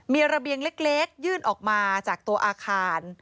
มีระเบียงเล็กยื่นออกมาจากตัวอาคาร